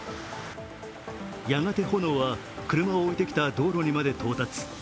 やがて炎は車を置いてきた道路にまで到達。